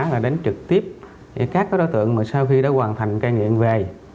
là đến trực tiếp các đối tượng sau khi đã hoàn thành ca nghiện về